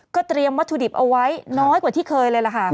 เตรียมวัตถุดิบเอาไว้น้อยกว่าที่เคยเลยล่ะค่ะ